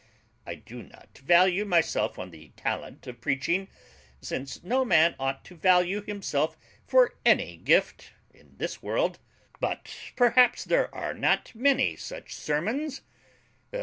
I do not value myself on the talent of preaching, since no man ought to value himself for any gift in this world. But perhaps there are not many such sermons.